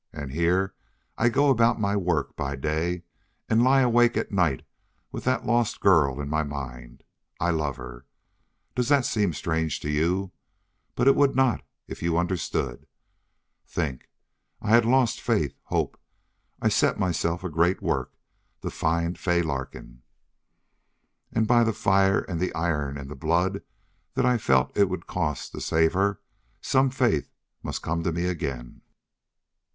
And here I go about my work by day and lie awake at night with that lost girl in my mind.... I love her. Does that seem strange to you? But it would not if you understood. Think. I had lost faith, hope. I set myself a great work to find Fay Larkin. And by the fire and the iron and the blood that I felt it would cost to save her some faith must come to me again....